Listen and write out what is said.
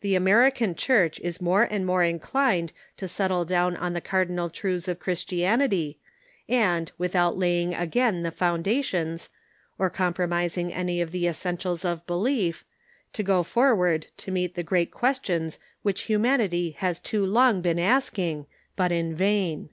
The American Church is more and more inclined to settle down on the cardinal truths of Christianity, and, without laying again the foundations, or compromising any of the essentials of belief, to go forward to meet the great questions which Humanity has too long been asking, but in vain.